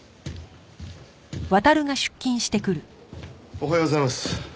おはようございます。